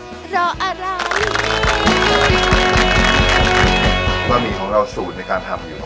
บะหมี่ของเราสูตรในการทำอยู่